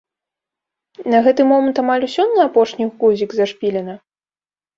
На гэты момант амаль усё на апошні гузік зашпілена?